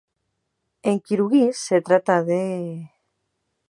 En kirguís, se trata de "Бардык өлкөлөрдүн пролетарлары, бириккиле!